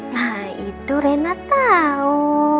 nah itu reina tau